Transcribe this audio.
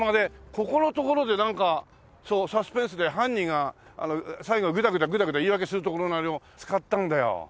ここの所でなんかサスペンスで犯人が最後グダグダグダグダ言い訳するところのあれを使ったんだよ。